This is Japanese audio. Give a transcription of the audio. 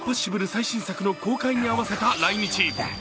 最新作の公開に合わせた来日。